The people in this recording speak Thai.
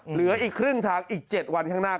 เหลืออีกครึ่งทางอีก๗วันข้างหน้า